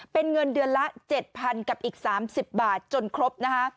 เป็นเงินเดือนละ๗๐๐กับอีก๓๐บาทจนครบนะคะ